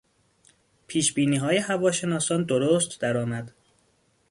پیشبینیهای هواشناسان درست درآمد.